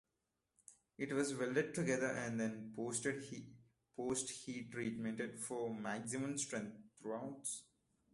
It was welded together and then post-heat-treated for maximum strength throughout.